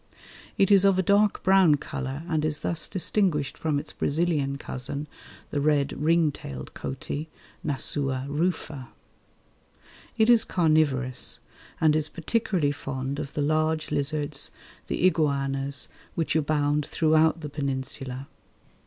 It is of a dark brown colour, and is thus distinguished from its Brazilian cousin the red ring tailed coati (Nasua rufa). It is carnivorous, and is particularly fond of the large lizards, the iguanas, which abound throughout the Peninsula.